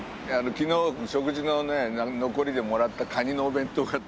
昨日食事の残りでもらったカニのお弁当があって。